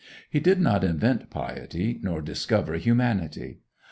He did not invent piety, nor discover humanity.